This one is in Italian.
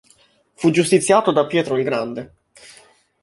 Fu giustiziato da Pietro il Grande.